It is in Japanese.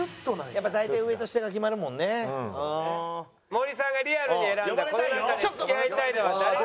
森さんがリアルに選んだこの中で付き合いたいのは。